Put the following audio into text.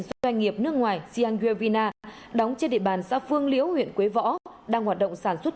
doanh nghiệp nước ngoài sianger vina đóng trên địa bàn xã phương liễu huyện quế võ đang hoạt động sản xuất